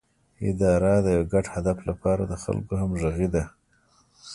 اداره د یو ګډ هدف لپاره د خلکو همغږي ده